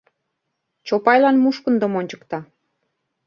Чопайлан мушкындым ончыкта.